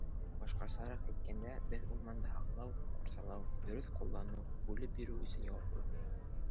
Башҡасараҡ әйткәндә, беҙ урманды һаҡлау, ҡурсалау, дөрөҫ ҡулланыу, бүлеп биреү өсөн яуаплыбыҙ.